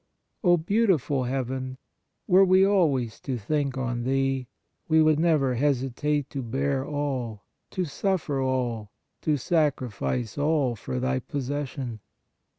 O beautiful Heaven! were we always to think on thee, we would never hesitate to bear all, to suffer all, to sacrifice all for thy possession!